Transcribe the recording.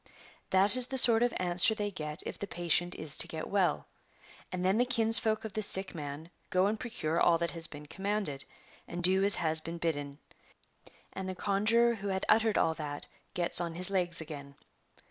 That is the sort of answer they get if the patient is to get well. And then the kinsfolk of the sick man go and procure all that has been commanded, and do as has been bidden, and the conjuror who had uttered all that gets on his legs again.